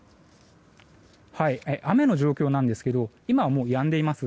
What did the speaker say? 雨の状況なんですが今はもう、やんでいます。